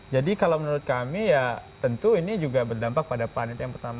jadi kalau menurut kami ya tentu ini juga berdampak pada pan itu yang pertama